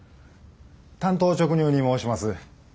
単刀直入に申します。